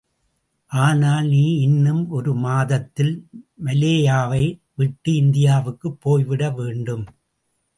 ஆனால் நீ இன்னும் ஒரு மாதத்தில் மலேயாவை விட்டு இந்தியாவுக்குப் போய்விடவேண்டும்.